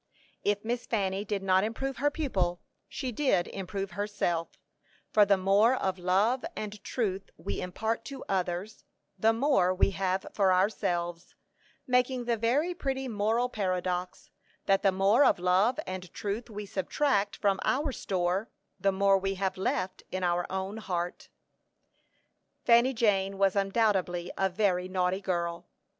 If Miss Fanny did not improve her pupil, she did improve herself, for the more of love and truth we impart to others, the more we have for ourselves; making the very pretty moral paradox, that the more of love and truth we subtract from our store, the more we have left in our own heart. Fanny Jane was undoubtedly a very naughty girl.